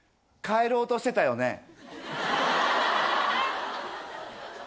帰ろうとしてたよね？